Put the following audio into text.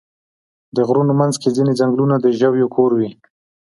د غرونو منځ کې ځینې ځنګلونه د ژویو کور وي.